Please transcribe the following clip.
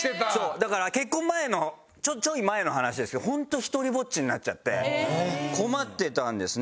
だから結婚前のちょい前の話ですけどホント１人ぼっちになっちゃって困ってたんですね。